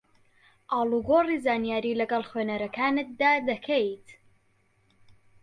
ئاڵوگۆڕی زانیاری لەگەڵ خوێنەرەکانتدا دەکەیت